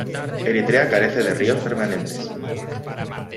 Eritrea carece de ríos permanentes.